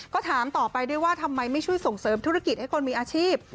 ก็ถามต่อไปด้วยว่าทำไมไม่ช่วยส่งเสริมธุรกิจให้คนมีอาชีพ